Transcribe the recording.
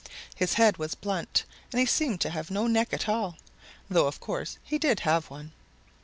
His head was blunt, and he seemed to have no neck at all, though of course he did have one.